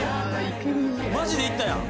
マジで行ったやん。